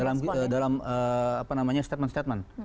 dan dalam apa namanya statement statement